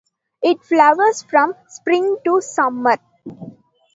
It flowers from spring to summer.